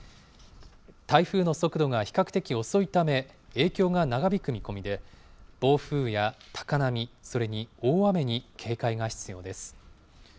台風の速度が比較的遅いため、影響が長引く見込みで、暴風や高波、それに大雨に警戒が必要です。